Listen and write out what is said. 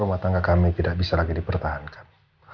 rumah tangga kami tidak bisa lagi dipertahankan